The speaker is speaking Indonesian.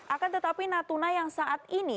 akan tetapi natuna yang saat ini